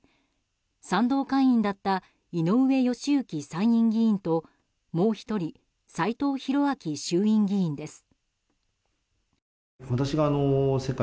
賛同会員だった井上義行参院議員ともう１人斎藤洋明衆院議員です。